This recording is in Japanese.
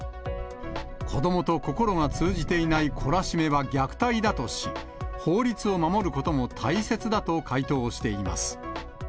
子どもと心が通じていない懲らしめは虐待だとし、法律を守ることも大切だと回答しています。